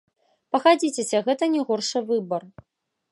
Пагадзіцеся, гэта не горшы выбар!